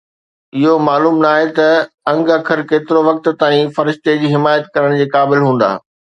اهو معلوم ناهي ته انگ اکر ڪيترو وقت تائين فرشتي جي حمايت ڪرڻ جي قابل هوندا.